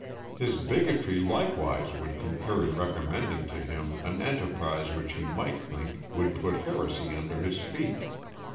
His bigotry likewise would concur in recommending to him an enterprise which he might think would put heresy under his feet.